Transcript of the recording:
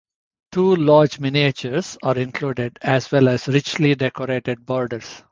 Two large miniatures are included, as well as richly decorated borders.